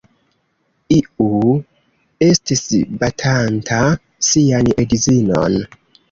Iu estis batanta sian edzinon.